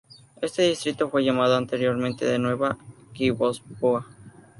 Este distrito fue llamado anteriormente de Nueva Guipúzcoa.